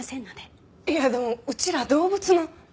いやでもうちら動物の。